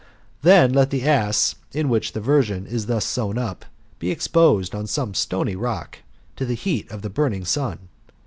Then let the ass, in which the virgin is thus sewn up, be exposed, on some stony rock, to the heat of the burning sun.